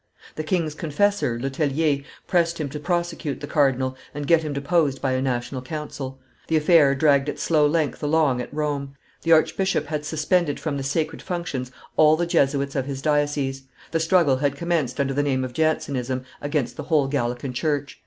The king's confessor, Letellier, pressed him to prosecute the cardinal and get him deposed by a national council; the affair dragged its slow length along at Rome; the archbishop had suspended from the sacred functions all the Jesuits of his diocese; the struggle had commenced under the name of Jansenism against the whole Gallican church.